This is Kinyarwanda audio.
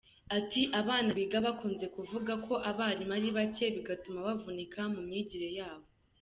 Ati “Abana biga bakunze kuvuga ko abarimu ari bake bigatuma bavunika mu myigire yabo.